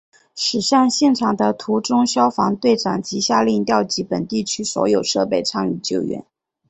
驶向现场的途中消防队长即下令调集本地区所有设备参与救援。